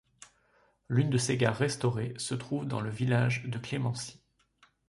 L'une de ces gares restaurées se trouve dans le village de Clemency.